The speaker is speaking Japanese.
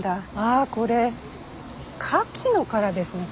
あこれカキの殻ですね